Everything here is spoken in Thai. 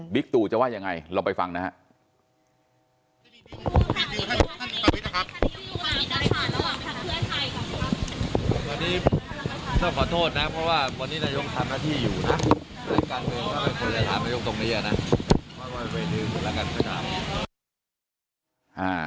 ตู่จะว่ายังไงลองไปฟังนะฮะ